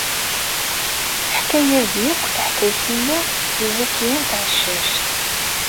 Teḥka-as-d akk taḥkayt-nni i Zakiya n Tɛeccact.